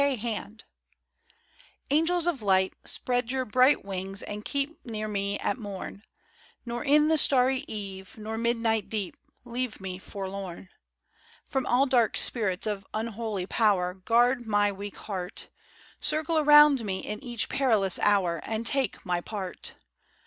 A NGELS of light, spread your bright wings and keep Near me at morn ; Nor in the starry eve, nor midnight deep, Leave me forlorn. LINKS WITH HEAVEN. 103 From all dark spirits of unholy power Guard my weak heart Circle around me in each perilous hour, And take my part.